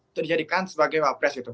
untuk dijadikan sebagai wapres gitu